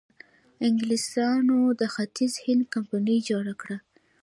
انګلیسانو د ختیځ هند کمپنۍ جوړه کړه.